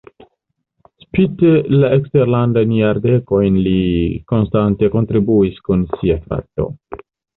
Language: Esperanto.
Spite la eksterlandajn jardekojn li konstante kontribuis kun sia frato.